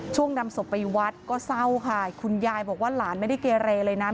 นำศพไปวัดก็เศร้าค่ะคุณยายบอกว่าหลานไม่ได้เกเรเลยนะ